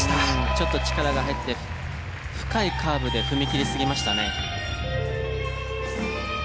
ちょっと力が入って深いカーブで踏み切りすぎましたね。